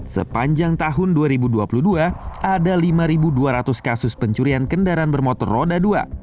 sepanjang tahun dua ribu dua puluh dua ada lima dua ratus kasus pencurian kendaraan bermotor roda dua